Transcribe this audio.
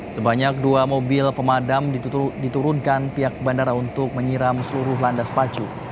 sebanyak dua mobil pemadam diturunkan pihak bandara untuk menyiram seluruh landas pacu